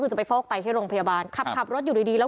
คือจะไปฟอกไตที่โรงพยาบาลขับรถอยู่ดีแล้ว